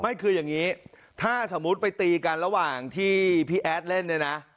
มีคืออย่างงี้ถ้าสมมุติไปตีกันระหว่างที่พี่แอ๊ดเล่น